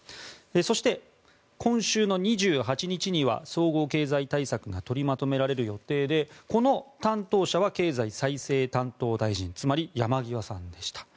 そして、今週の２８日には総合経済対策が取りまとめられる予定でこの担当者は経済再生担当大臣つまり山際さんでした。